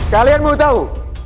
kalian mau tau